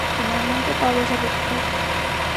Finalmente, Pablo se recupera.